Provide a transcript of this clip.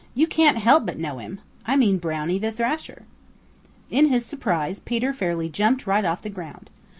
You can't help but know him. I mean Brownie the Thrasher." In his surprise Peter fairly jumped right off the ground.